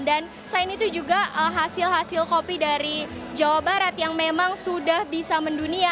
dan selain itu juga hasil hasil kopi dari jawa barat yang memang sudah bisa mendunia